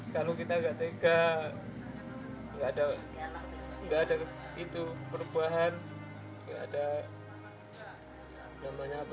kalau kita nggak tega nggak ada perubahan